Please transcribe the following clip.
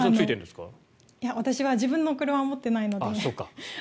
私は自分の車を持っていないので。